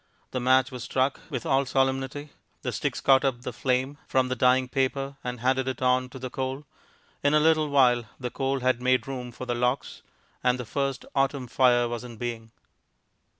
The match was struck with all solemnity; the sticks caught up the flame from the dying paper and handed it on to the coal; in a little while the coal had made room for the logs, and the first autumn fire was in being.